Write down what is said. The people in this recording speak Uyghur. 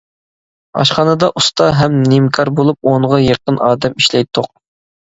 ئاشخانىدا ئۇستا ھەم نىمكار بولۇپ ئونغا يېقىن ئادەم ئىشلەيتتۇق.